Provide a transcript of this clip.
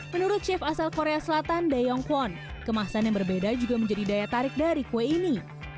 menurut chef asal korea selatan dae yong kwon kemasan yang berbeda juga menjadi daya tarik dari kue ini